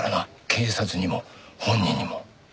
警察にも本人にも。